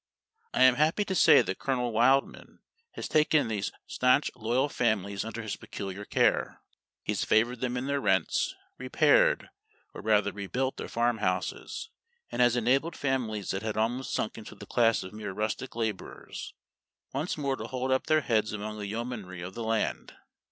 I am happy to say, that Colonel Wildman has taken these stanch loyal families under his peculiar care. He has favored them in their rents, repaired, or rather rebuilt their farm houses, and has enabled families that had almost sunk into the class of mere rustic laborers, once more to hold up their heads among the yeomanry of the land.